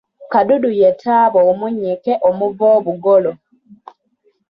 Kadudu ye taaba omunnyike omuva obugolo.